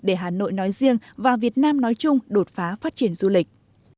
để hà nội nói riêng và việt nam nói chung đột phá phát triển du lịch